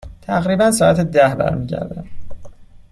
تقریبا ساعت ده برمی گردم.